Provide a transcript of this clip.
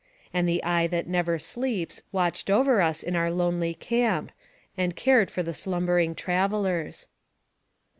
And the Eye that never sleeps watched over us in our lonely camp, and cared for the slumbering travelers.